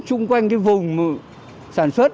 chung quanh cái vùng sản xuất